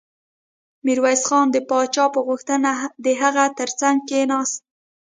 ميرويس خان د پاچا په غوښتنه د هغه تر څنګ کېناست.